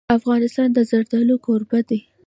افغانستان د زردالو کوربه دی.